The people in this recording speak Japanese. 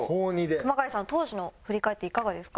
熊谷さん当時の振り返っていかがですか？